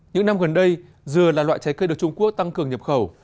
những năm gần đây dừa là loại trái cây được trung quốc tăng cường nhập khẩu